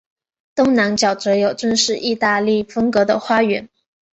东南角则有正式意大利风格的花园。